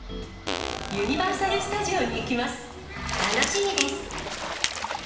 ユニバーサル・スタジオに行楽しみです！